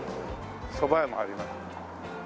蕎麦屋もあります。